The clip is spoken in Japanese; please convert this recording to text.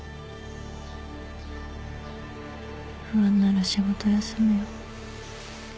不安なら仕事休むよ。